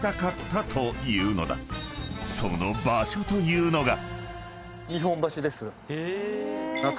［その場所というのが］